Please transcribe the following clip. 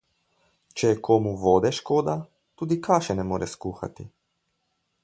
Če je komu vode škoda, tudi kaše ne more skuhati.